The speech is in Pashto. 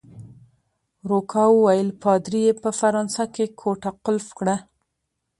روکا وویل: پادري يې په فرانسه کې کوټه قلف کړه.